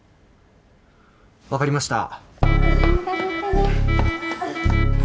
分かりました。